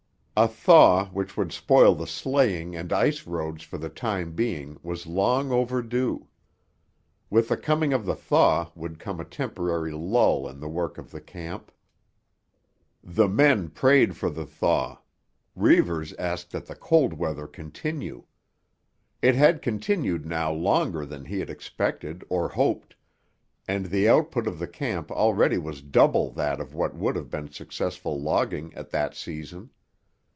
A thaw which would spoil the sleighing and ice roads for the time being was long over due. With the coming of the thaw would come a temporary lull in the work of the camp. The men prayed for the thaw; Reivers asked that the cold weather continue. It had continued now longer than he had expected or hoped, and the output of the camp already was double that of what would have been successful logging at that season.